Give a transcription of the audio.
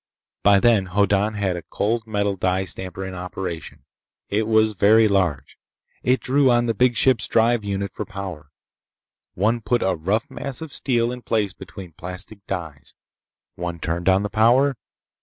By then Hoddan had a cold metal die stamper in operation. It was very large. It drew on the big ship's drive unit for power. One put a rough mass of steel in place between plastic dies. One turned on the power.